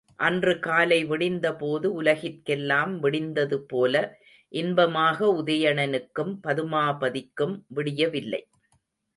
அன்று காலை விடிந்தபோது உலகிற் கெல்லாம் விடிந்ததுபோல இன்பமாக உதயணனுக்கும் பதுமாபதிக்கும் விடியவில்லை.